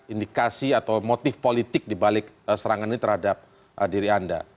indikasi atau motif politik dibalik serangan ini terhadap diri anda